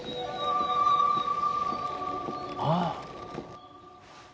ああ。